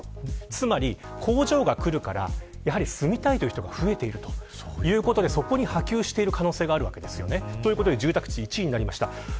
つまり工場が来るから住みたいという人が増えているということでそこに波及している可能性があるわけです。ということで住宅地１位になりました。